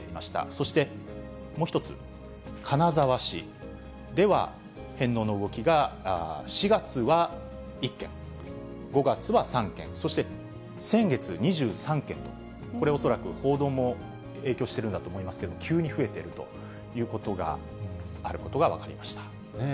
そして、もう１つ、金沢市では、返納の動きが４月は１件、５月は３件、そして先月２３件と、これ、恐らく報道も影響してるんだと思うんですけど、急に増えてるということがあることが分かりました。